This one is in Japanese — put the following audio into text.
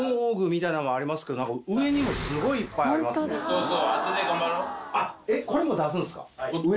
そうそう。